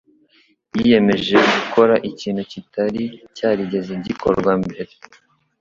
Yiyemeje gukora ikintu kitari cyarigeze gikorwa mbere.